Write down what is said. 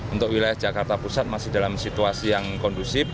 untuk wilayah jakarta pusat masih dalam situasi yang kondusif